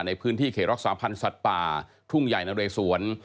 ในพื้นที่เขรอกสามารถสัตว์ป่าทุ่งใหญ่นรสวน